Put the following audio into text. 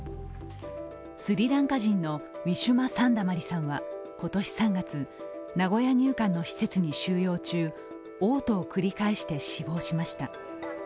スリランカ人のウィシュマ・サンダマリさんは今年３月名古屋入管の施設に収容中、おう吐を繰り返して死亡しました。